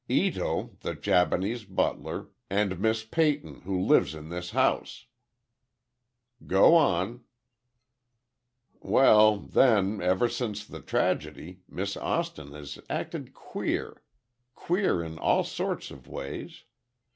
"Ito, the Japanese butler, and Miss Peyton, who lives in this house." "Go on." "Well, then, ever since the tragedy, Miss Austin has acted queer. Queer in all sorts of ways.